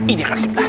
ini kasih pelan